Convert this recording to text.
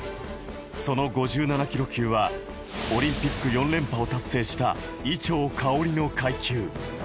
その５７ｋｇ級はオリンピック４連覇を達成した伊調馨の階級。